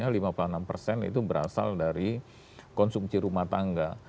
lima puluh enam persen itu berasal dari konsumsi rumah tangga